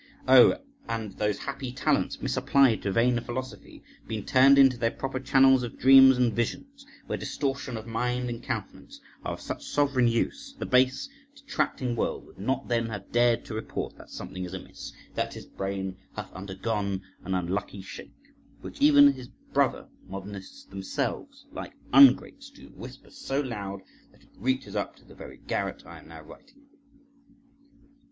Oh, had those happy talents, misapplied to vain philosophy, been turned into their proper channels of dreams and visions, where distortion of mind and countenance are of such sovereign use, the base, detracting world would not then have dared to report that something is amiss, that his brain hath undergone an unlucky shake, which even his brother modernists themselves, like ungrates, do whisper so loud that it reaches up to the very garret I am now writing in.